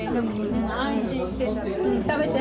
安心して。